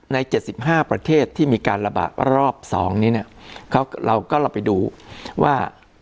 ใน๗๕ประเทศที่มีการระบาดรอบ๒เราก็ลองไปดูว่า